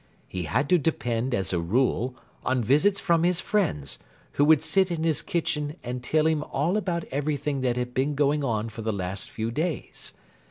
He had to depend, as a rule, on visits from his friends, who would sit in his kitchen and tell him all about everything that had been going on for the last few days.